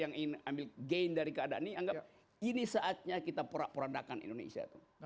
yang ingin ambil gain dari keadaan ini anggap ini saatnya kita peradakan indonesia